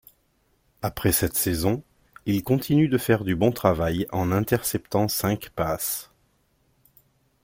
Après cette saison, il continue de faire du bon travail en interceptant cinq passes.